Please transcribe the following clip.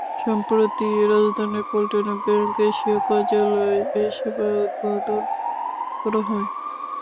সম্প্রতি রাজধানীর পল্টনে bank Asia কার্যালয়ে এ সেবার উদ্বোধন করা হয়।